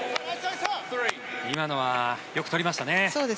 今のは、よく取りましたね。